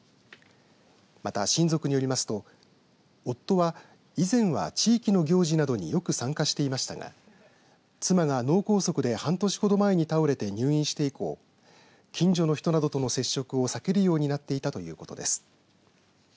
また、親族によりますと、夫は以前は地域の行事などによく参加していましたが妻が脳梗塞で半年ほど前に倒れて入院して以降近所の人などとの接触を避けるようになっていたということです。